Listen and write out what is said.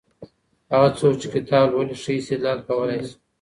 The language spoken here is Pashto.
هغه څوک چي کتاب لولي، ښه استدلال کولای سي.